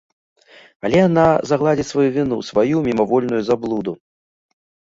Але яна загладзіць сваю віну, сваю мімавольную заблуду!